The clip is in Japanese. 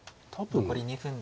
残り２分です。